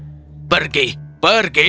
aku akan mencari rumputan di sekitar sungai